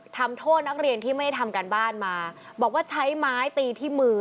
ทำโทษนักเรียนที่ไม่ได้ทำการบ้านมาบอกว่าใช้ไม้ตีที่มือ